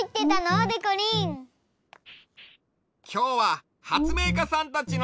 きょうははつめいかさんたちの